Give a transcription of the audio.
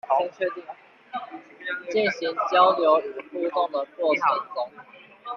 進行交流與互動的過程中